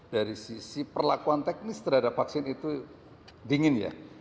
dari sisi perlakuan teknis terhadap vaksin itu dingin ya